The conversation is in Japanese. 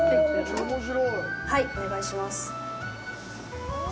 はい、お願いします。